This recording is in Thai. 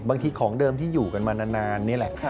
ของเดิมที่อยู่กันมานานนี่แหละ